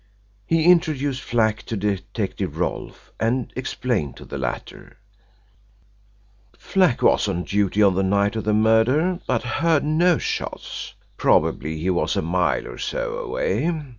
He introduced Flack to Detective Rolfe and explained to the latter: "Flack was on duty on the night of the murder but heard no shots. Probably he was a mile or so away.